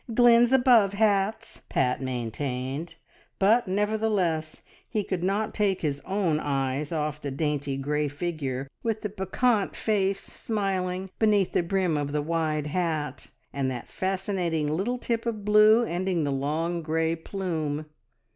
Glynn's above hats," Pat maintained; but, nevertheless, he could not take his own eyes off the dainty grey figure, with the piquant face smiling beneath the brim of the wide hat, and that fascinating little tip of blue ending the long, grey plume.